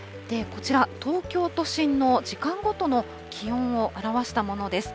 こちら、東京都心の時間ごとの気温を表したものです。